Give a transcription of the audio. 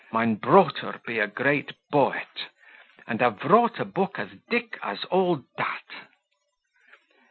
Mine brotre be a great boet, and ave vrought a book as dick as all dat."